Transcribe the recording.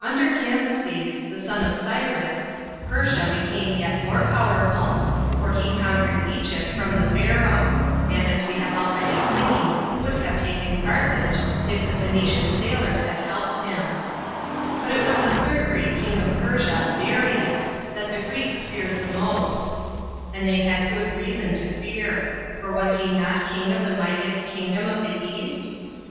Under Cambyses, the son of Cyrus, Persia be came yet more powerful, for he conquered Egypt from the Pharaohs, and, as we have already set,n, would have taken Carthage, if the Phoenician sailors had helped him. But it was the third great King of Persia, Darius, that the Greeks feared the most, and B.C. 513.] DARIUS ENTERS EUROPE. 85 had good reason to fear ; for was he not king of the mightiest kingdom of the East?